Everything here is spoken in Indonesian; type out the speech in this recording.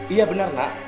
iya benar nak